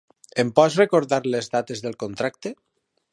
Em pots recordar les dates del contracte?